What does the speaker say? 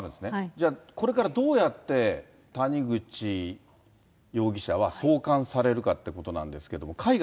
じゃあ、これからどうやって谷口容疑者は送還されるかってことなんですけ